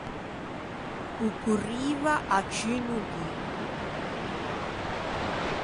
O corriva à ciù no dî.